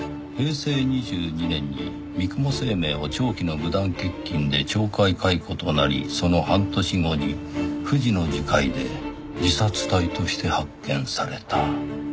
「平成２２年に三雲生命を長期の無断欠勤で懲戒解雇となりその半年後に富士の樹海で自殺体として発見された」